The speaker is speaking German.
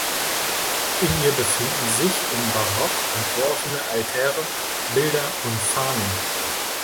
In ihr befinden sich im Barock entworfene Altäre, Bilder, Fahnen.